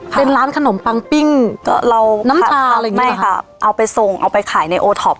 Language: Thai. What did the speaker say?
เป็นร้านขนมปังปิ้งก็เราน้ำตาอะไรอย่างนี้ไม่ค่ะเอาไปส่งเอาไปขายในโอท็อป